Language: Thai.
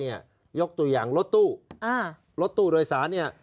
ยกตัวอย่างรถตู้รถตู้โดยสารเนี่ย